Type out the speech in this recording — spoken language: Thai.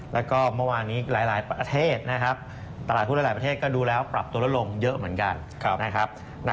แล้วก็เมื่อวานี้หลายประเทศตลาดคุณหลายประเทศก็ดูแล้วปรับตัวละลงเยอะเหมือนกัน